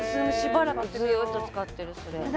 しばらくずっと使ってるそれ。